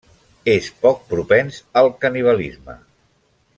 És poc propens al canibalisme.